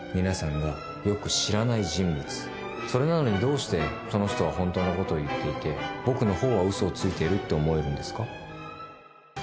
「皆さんがよく知らない人物」「それなのにどうしてその人は本当のことを言っていて僕の方は嘘をついているって思えるんですか？」